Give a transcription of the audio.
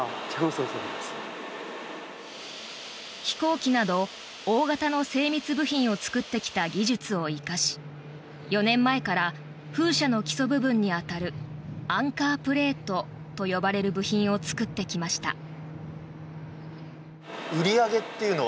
飛行機など大型の精密部品を作ってきた技術を生かし４年前から風車の基礎部分に当たるアンカープレートと呼ばれる部品を作ってきました。